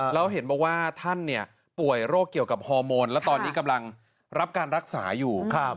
แล้วเห็นบอกว่าท่านป่วยโรคเกี่ยวกับฮอร์โมนและตอนนี้กำลังรับการรักษาอยู่